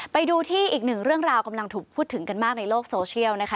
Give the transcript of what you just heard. ไปดูที่อีกหนึ่งเรื่องราวกำลังถูกพูดถึงกันมากในโลกโซเชียลนะคะ